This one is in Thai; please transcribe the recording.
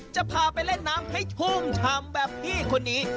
จะพาไปเล่นน้ำให้ชุ่มชำแบบพี่คนนี้